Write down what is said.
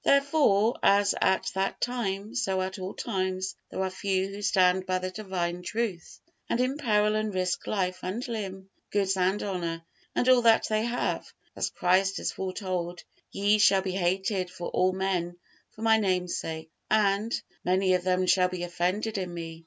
Therefore, as at that time, so at all times there are few who stand by the divine truth, and imperil and risk life and limb, goods and honor, and all that they have, as Christ has foretold: "Ye shall be hated of all men for My Name's sake." And: "Many of them shall be offended in Me."